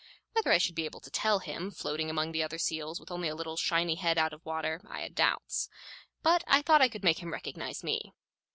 Whether I should be able to tell him, floating among the other seals, with only a little, shiny head out of water, I had doubts; but I thought I could make him recognize me.